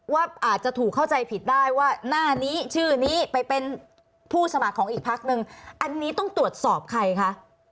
ว่าอาจจะถูกเข้าใจผิดได้ว่าหน้านี้ชื่อนี้ไปเป็นผู้สมัครของอีกพักนึงอันนี้ต้องตรวจสอบใครคะ